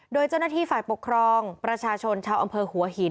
โดยเจ้าหน้าที่ฝ่ายปกครองประชาชนชาวอำเภอหัวหิน